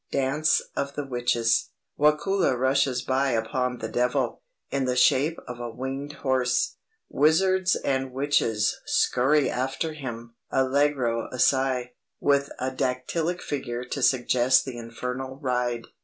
Dance of the witches. Wakula rushes by upon the devil, in the shape of a winged horse; wizards and witches skurry after him (Allegro assai, with a dactyllic figure to suggest the infernal ride).